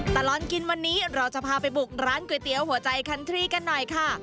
ตลอดกินวันนี้เราจะพาไปบุกร้านก๋วยเตี๋ยวหัวใจคันทรี่กันหน่อยค่ะ